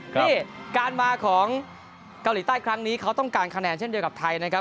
นี่การมาของเกาหลีใต้ครั้งนี้เขาต้องการคะแนนเช่นเดียวกับไทยนะครับ